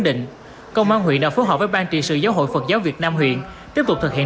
định công an huyện đã phối hợp với ban trị sự giáo hội phật giáo việt nam huyện tiếp tục thực hiện